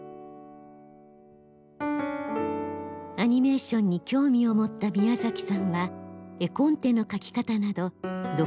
アニメーションに興味を持った宮崎さんは絵コンテの描き方など独学で勉強しました。